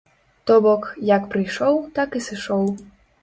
То бок, як прыйшоў, так і сышоў.